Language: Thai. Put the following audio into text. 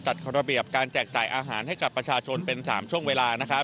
ระเบียบการแจกจ่ายอาหารให้กับประชาชนเป็น๓ช่วงเวลา